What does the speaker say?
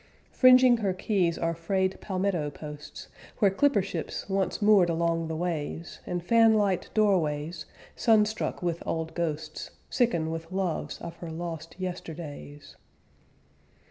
Fringing her quays are frayed palmetto posts, Where clipper ships once moored along the ways, And fanlight doorways, sunstruck with old ghosts, Sicken with loves of her lost yesterdays.